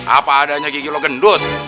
apa adanya gigi lo gendut